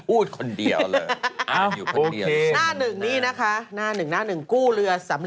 อือ